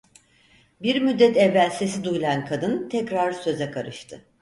Bir müddet evvel sesi duyulan kadın tekrar söze karıştı: